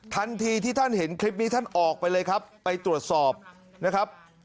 ทันทีที่ท่านเห็นคลิปนี้ท่านออกไปเลยครับไปตรวจสอบนะครับ